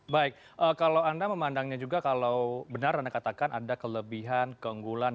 baik kalau anda memandangnya juga kalau benar anda katakan ada kelebihan keunggulan